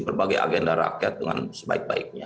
berbagai agenda rakyat dengan sebaik baiknya